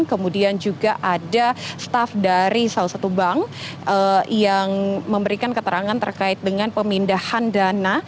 kemudian juga ada staff dari salah satu bank yang memberikan keterangan terkait dengan pemindahan dana